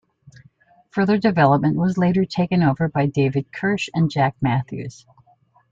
Further development was later taken over by David Kirsch and Jack Mathews.